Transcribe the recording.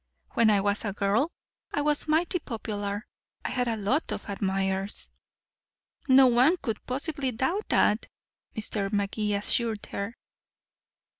When I was a girl I was mighty popular. I had a lot of admirers." "No one could possibly doubt that," Mr. Magee assured her.